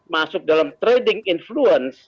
masuk dalam trading influence